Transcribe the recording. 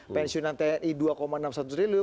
pensiunan tni dua enam puluh satu triliun